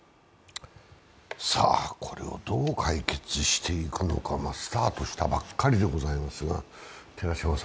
さあ、これをどう解決していくのか、スタートしたばかりでございますが。